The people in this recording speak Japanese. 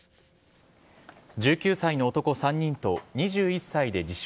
１９歳の男３人と、２１歳で自称